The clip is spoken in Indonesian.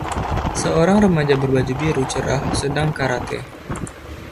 Seorang remaja berbaju biru cerah sedang karate.